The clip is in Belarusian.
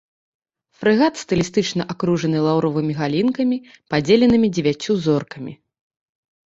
Фрэгат стылістычна акружаны лаўровымі галінкамі, падзеленымі дзевяццю зоркамі.